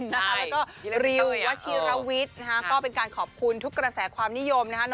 แล้วก็ริววัชิรวิทย์ก็เป็นการขอบคุณทุกกระแสความนิยมนะฮะ